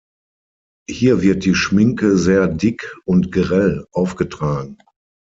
Hier wird die Schminke sehr dick und grell aufgetragen.